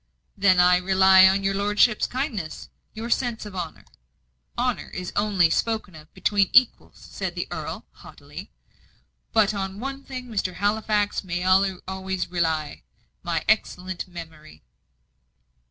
"Then I rely on your lordship's kindliness your sense of honour." "Honour is only spoken of between equals," said the earl, haughtily. "But on one thing Mr. Halifax may always rely my excellent memory."